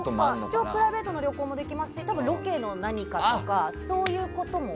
一応プライベートの旅行もできますしロケの何かとかそういうことも。